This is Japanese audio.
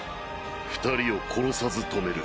二人を殺さず止める。